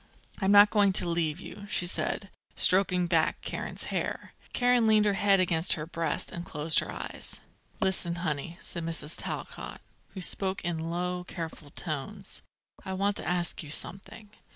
I'm not going to leave you," she said, stroking back Karen's hair. Karen leaned her head against her breast, and closed her eyes. "Listen, honey," said Mrs. Talcott, who spoke in low, careful tones: "I want to ask you something.